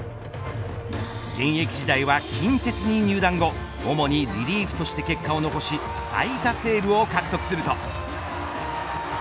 現役時代は近鉄に入団後主にリリーフとして結果を残し最多セーブを獲得すると。